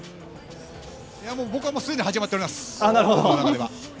僕はすでに始まっております。